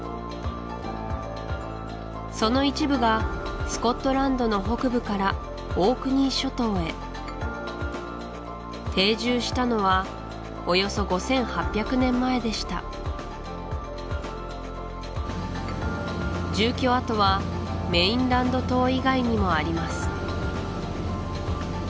その一部がスコットランドの北部からオークニー諸島へ定住したのはおよそ５８００年前でした住居跡はメインランド島以外にもあります